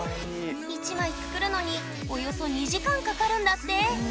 １枚作るのにおよそ２時間かかるんだって！